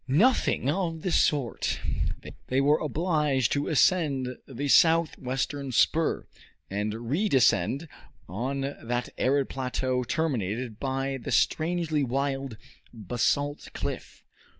Nothing of the sort. They were obliged to ascend the south western spur, and re descend on that arid plateau terminated by the strangely wild basalt cliff.